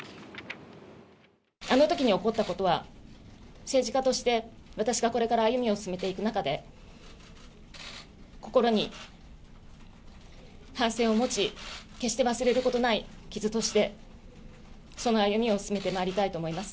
あのときに起こったことは、政治家として、私がこれから歩みを進めていく中で、心に反省を持ち、決して忘れることない傷として、その歩みを進めてまいりたいと思います。